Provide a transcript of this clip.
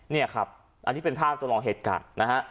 นี่ครับอันนี้เป็นภาพจำลองเหตุการณ์นะฮะ